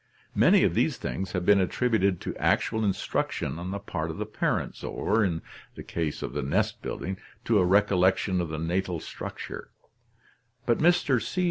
Many of these things have been attributed to actual instruction on the part of the parents or, in the case of the nest building, to a recollection of the natal structure, but Mr. C.